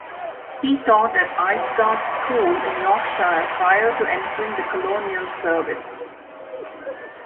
He taught at Aysgarth School in Yorkshire prior to entering the Colonial Service.